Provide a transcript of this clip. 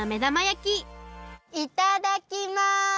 いただきます！